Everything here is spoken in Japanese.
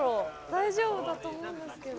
大丈夫だと思うんですけど。